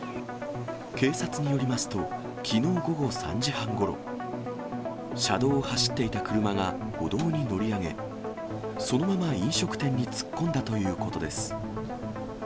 警察によりますと、きのう午後３時半ごろ、車道を走っていた車が歩道に乗り上げ、そのまま飲食店に突っ込んだということです。